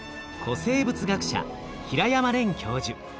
生物学者平山廉教授。